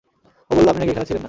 ও বলল, আপনি নাকি এখানে ছিলেন না।